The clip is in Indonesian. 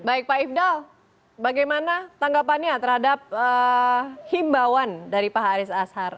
baik pak ifdal bagaimana tanggapannya terhadap himbauan dari pak haris ashar